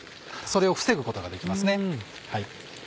それを防ぐことができます。